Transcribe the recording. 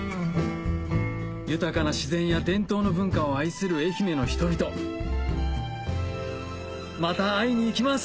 豊かな自然や伝統の文化を愛する愛媛の人々また会いに行きます